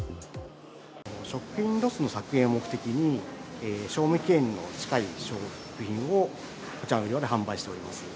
食品ロスの削減を目的に、賞味期限の近い商品をこちらで販売しております。